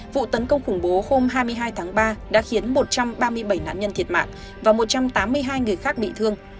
vụ tấn công khủng bố hôm hai mươi hai tháng ba đã khiến một trăm ba mươi bảy nạn nhân thiệt mạng và một trăm tám mươi hai người khác bị thương